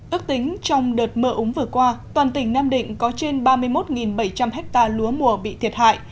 ước tính trong đợt mơ úng vừa qua toàn tỉnh nam định có trên ba mươi một bảy trăm linh ha lúa mùa bị thiệt hại